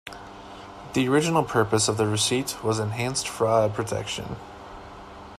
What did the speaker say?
The original purpose of the receipt was enhanced fraud protection.